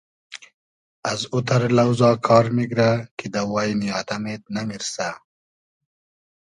از اوتئر لۆزا کار میگرۂ کی دۂ واینی آدئم اېد نئمیرسۂ